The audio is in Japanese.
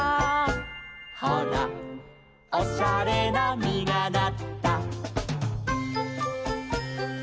「ほらおしゃれなみがなった」